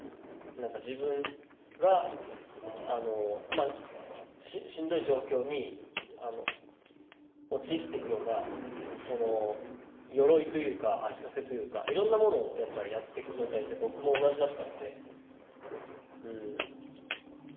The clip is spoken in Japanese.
自分がしんどい状況に陥っていくような鎧というか足かせというかいろんなものをやっていく状態って僕も同じだったので。